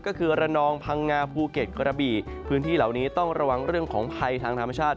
ก็คือระนองพังงาภูเก็ตกระบี่พื้นที่เหล่านี้ต้องระวังเรื่องของภัยทางธรรมชาติ